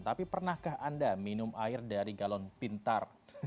tapi pernahkah anda minum air dari galon pintar